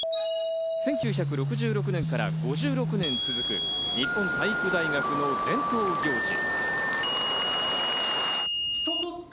１９６６年から５６年続く、日本体育大学の伝統行事。